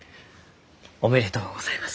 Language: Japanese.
おめでとうございます。